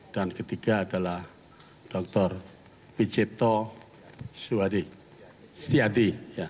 dan ketiga adalah dr michipto setiadi